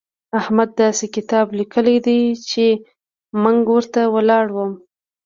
احمد داسې کتاب ليکلی دی چې منګ ورته ولاړم.